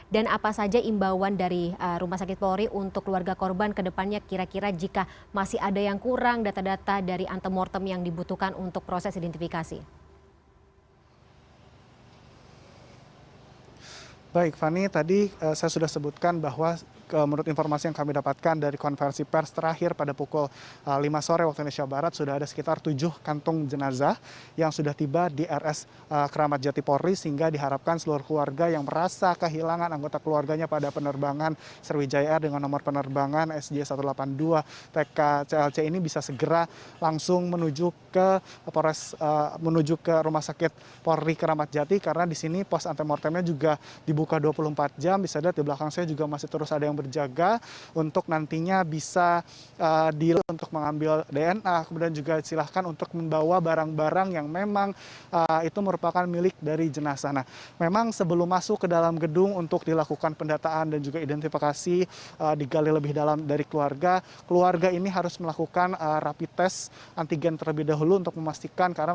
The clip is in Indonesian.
dan apa saja imbauan dari rumah sakit polri untuk keluarga korban ke depannya kira kira jika masih ada yang kurang data data dari antemortem yang dibutuhkan untuk proses identifikasi